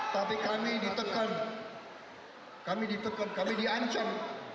tapi kami ditekan kami ditekan kami diancam